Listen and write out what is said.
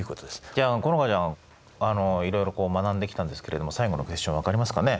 じゃあ好花ちゃんいろいろ学んできたんですけれども最後のクエスチョン分かりますかね？